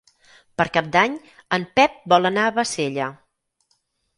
Per Cap d'Any en Pep vol anar a Bassella.